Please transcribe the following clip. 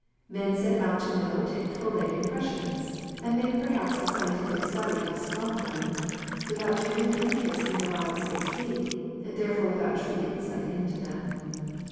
Men set out to note and collate impressions, and make perhaps a scien tific study of slumdom, without genuine interest in the lives they see, and there fore without true insight into them.